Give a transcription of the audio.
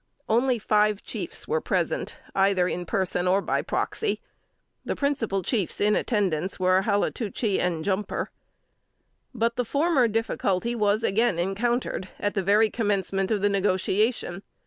Only five chiefs were present, either in person or by proxy. The principal chiefs in attendance were Halatoochie and Jumper. But the former difficulty was again encountered, at the very commencement of the negotiation.